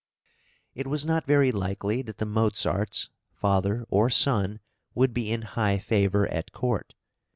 It was not very likely that the Mozarts father or son would be in high favour at court.